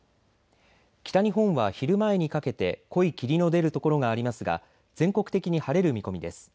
北日本は昼前にかけて濃い霧の出る所がありますが全国的に晴れる見込みです。